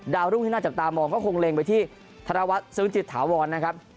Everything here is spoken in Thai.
รุ่งที่น่าจับตามองก็คงเล็งไปที่ธนวัฒน์ซื้อจิตถาวรนะครับ